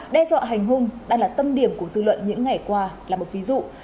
đe dọa hành hung đang là tâm điểm của dư luận những ngày qua là một ví dụ